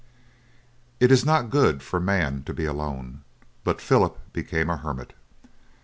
It is not good for man to be alone, but Philip became a hermit.